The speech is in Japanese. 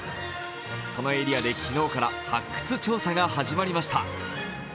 そのエリアで昨日から発掘調査が始まりました。